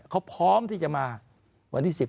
เขาพร้อมที่จะมาวันที่๑๐